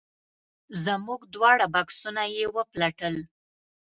زموږ دواړه بکسونه یې وپلټل.